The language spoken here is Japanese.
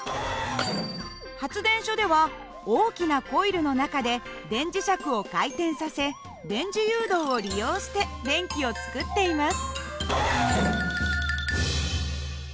発電所では大きなコイルの中で電磁石を回転させ電磁誘導を利用して電気を作っています。